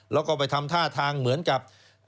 แล้วก็ไปทำท่าทางเหมือนกับ